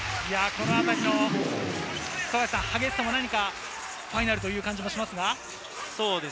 このあたりの激しさ、ファイナルという感じがしますが。